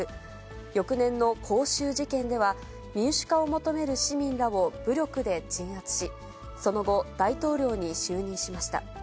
翌年の光州事件では、民主化を求める市民らを武力で鎮圧し、その後、大統領に就任しました。